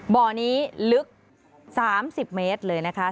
บ่อนี้ลึก๓๐เมตรเลยนะคะ